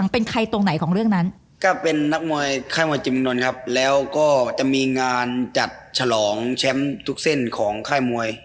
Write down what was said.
เป็นใครตรงไหนของเรื่องนั้นก็เป็นนักมวยค่ายมวยจำนวนครับแล้วก็จะมีงานจัดฉลองแชมป์ทุกเส้นของค่ายมวย